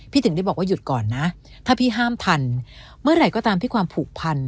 ถึงได้บอกว่าหยุดก่อนนะถ้าพี่ห้ามทันเมื่อไหร่ก็ตามที่ความผูกพัน